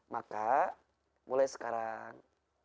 maka mulai sekarang